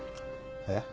えっ？